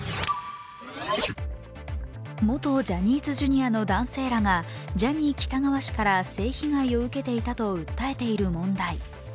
元ジャニーズＪｒ．の男性らがジャニー喜多川氏から性被害を受けていたと訴えている問題。